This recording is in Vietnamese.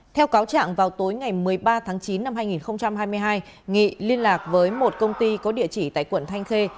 theo cáo trạng vào tối ngày một mươi ba tháng chín năm hai nghìn hai mươi hai nghị liên lạc với một công ty có địa chỉ tại quận thanh khê